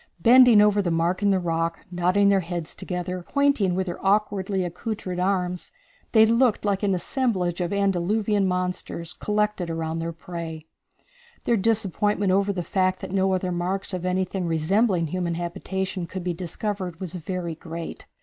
Bending over the mark in the rock, nodding their heads together, pointing with their awkwardly accoutred arms, they looked like an assemblage of antediluvian monsters collected around their prey. Their disappointment over the fact that no other marks of anything resembling human habitation could be discovered was very great.